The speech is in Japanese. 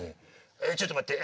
「えちょっと待って」。